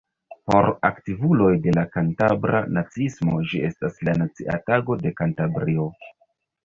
Por aktivuloj de la kantabra naciismo ĝi estas la nacia tago de Kantabrio.